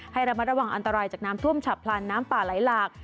ให้ระมัดระวังอันตรายจากน้ำท่วมฉับพลันน้ำป่าไหลหลาก